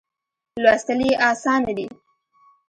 لوستل یې آسانه دي.